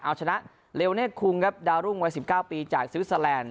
เอาชนะเลวเนธคุงครับดารุงวัย๑๙ปีจากซิวสาแลนด์